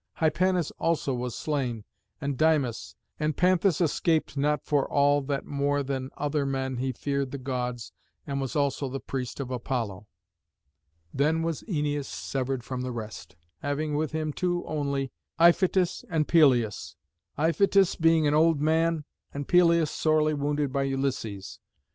Hypanis also was slain and Dymas, and Panthus escaped not for all that more than other men he feared the Gods and was also the priest of Apollo. Then was Æneas severed from the rest, having with him two only, Iphitus and Pelias, Iphitus being an old man and Pelias sorely wounded by Ulysses.